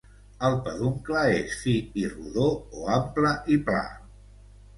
El peduncle és fi i rodó o ample i pla.